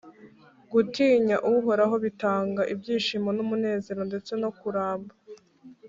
Gutinya uhoraho bitanga ibyishimo n’umunezero, ndetse no kuramba